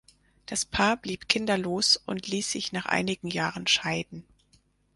Das Paar blieb kinderlos und ließ sich nach einigen Jahren scheiden.